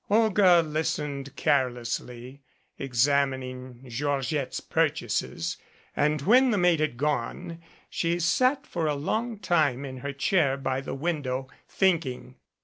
Olga listened carelessly, examining Georgette's pur chases, and when the maid had gone she sat for a long time in her chair by the window thinking.